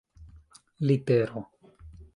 litero